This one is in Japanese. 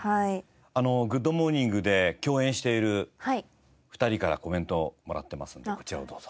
『グッド！モーニング』で共演している２人からコメントをもらってますのでこちらをどうぞ。